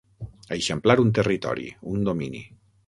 Eixamplar un territori, un domini.